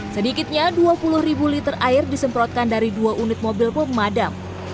sedikitnya dua puluh ribu liter air disemprotkan dari dua unit mobil pemadam